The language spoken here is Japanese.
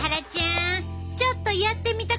ちょっとやってみたくなったやろ？